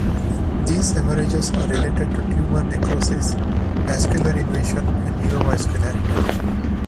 These hemorrhages are related to tumor necrosis, vascular invasion and neovascularity.